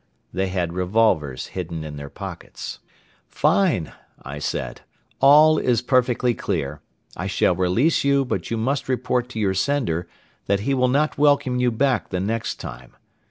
They had revolvers hidden in their pockets. "Fine!" I said. "All is perfectly clear. I shall release you but you must report to your sender that he will not welcome you back the next time.